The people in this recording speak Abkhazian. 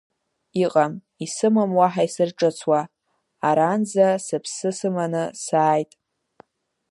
Иҟам, исымам уаҳа исырҿыцуа, аранӡа сыԥсы сыманы сааит.